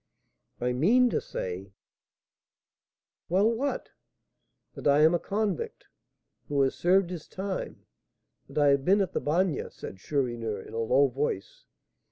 "I mean to say " "Well, what?" "That I am a convict, who has served his time, that I have been at the Bagne," said Chourineur, in a low voice.